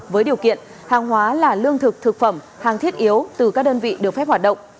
với điều kiện hàng hóa là lương thực thực phẩm hàng thiết yếu từ các đơn vị được phép hoạt động